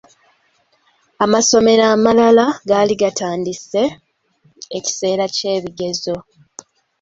Amasomero amalala gaali gatandise ekiseera ky’ebigezo..